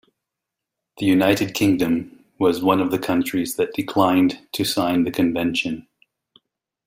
The United Kingdom was one of the countries that declined to sign the convention.